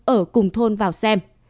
ở cùng thôn vào xem